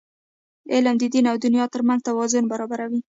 علم د دین او دنیا ترمنځ توازن برابروي.